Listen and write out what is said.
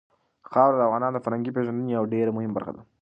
خاوره د افغانانو د فرهنګي پیژندنې یوه ډېره مهمه برخه ده.